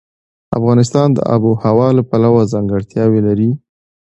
افغانستان د آب وهوا له پلوه ځانګړتیاوې لري.